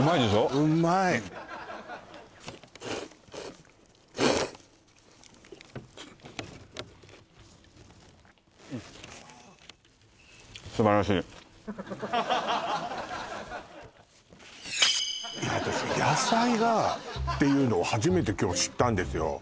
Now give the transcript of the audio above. うまいいや私野菜がっていうのを初めて今日知ったんですよ